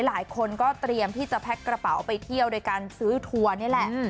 หลายคนก็เตรียมที่จะแพ็คกระเป๋าไปเที่ยวโดยการซื้อทัวร์นี่แหละ